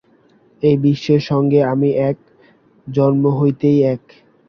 এই বিশ্বের সঙ্গে আমি এক, জন্ম হইতেই এক।